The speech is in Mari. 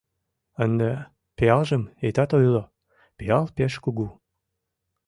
Ынде пиалжым итат ойло, пиал пеш кугу.